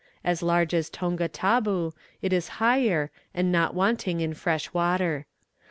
As large as Tonga Tabou, it is higher, and not wanting in fresh water.